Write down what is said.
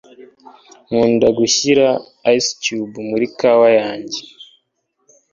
Nkunda gushyira ice cube muri kawa yanjye